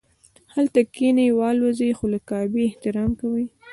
هلته کښیني والوځي خو د کعبې احترام کوي.